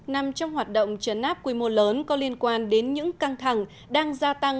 nằm trong hoạt động trấn áp quy mô lớn có liên quan đến những căng thẳng đang gia tăng